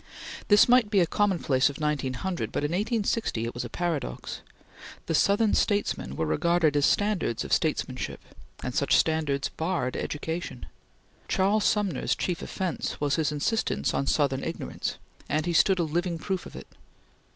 This might be a commonplace of 1900, but in 1860 it was paradox. The Southern statesmen were regarded as standards of statesmanship, and such standards barred education. Charles Sumner's chief offence was his insistence on Southern ignorance, and he stood a living proof of it.